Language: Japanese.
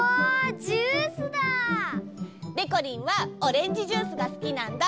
ジュースだ！でこりんはオレンジジュースがすきなんだ！